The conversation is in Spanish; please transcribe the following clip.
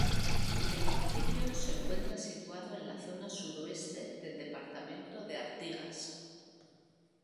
El municipio se encuentra situado en la zona suroeste del departamento de Artigas.